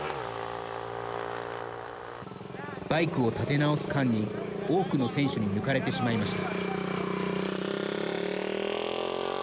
バイクを立て直す間に多くの選手に抜かれてしまいました。